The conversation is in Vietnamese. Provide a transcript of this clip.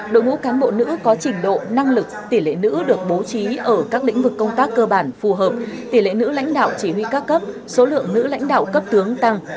đội ngũ cán bộ nữ có trình độ năng lực tỷ lệ nữ được bố trí ở các lĩnh vực công tác cơ bản phù hợp tỷ lệ nữ lãnh đạo chỉ huy các cấp số lượng nữ lãnh đạo cấp tướng tăng